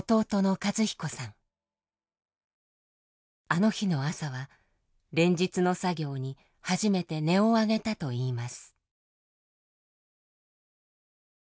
あの日の朝は連日の作業に初めて音を上げたといいます。